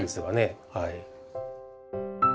はい。